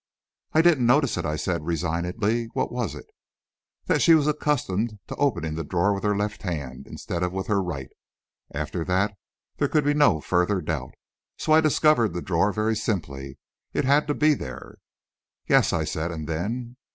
"I didn't notice it," I said, resignedly. "What was it?" "That she was accustomed to opening the drawer with her left hand, instead of with her right. After that, there could be no further doubt. So I discovered the drawer very simply. It had to be there." "Yes," I said; "and then?"